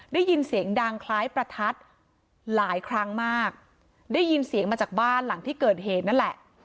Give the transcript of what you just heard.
ได้ยินเสียงดังคล้ายประทัดหลายครั้งมากได้ยินเสียงมาจากบ้านหลังที่เกิดเหตุนั่นแหละ